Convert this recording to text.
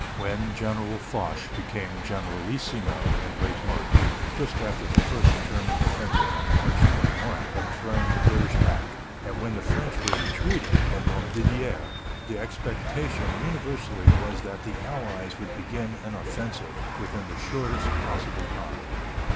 When General Foch became generalissimo, in late March, just after the first German offensive on March 21 had thrown the British back, and when the French were retreating at Montdidier, the expectation universally was that the Allies would begin an offensive, within the shortest possible time.